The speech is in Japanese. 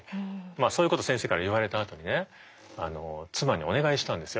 そういうこと先生から言われたあとに妻にお願いしたんですよ。